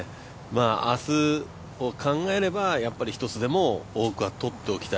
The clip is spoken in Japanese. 明日を考えれば１つでも多くはとっておきたい